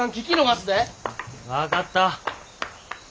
分かった。